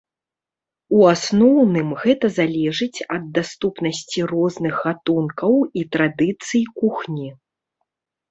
У асноўным гэта залежыць ад даступнасці розных гатункаў і традыцый кухні.